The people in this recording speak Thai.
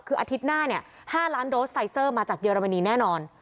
คืออาทิตย์หน้าเนี่ย๕ล้านโดสไฟเซอร์มาจากเยอรมนีแน่นอน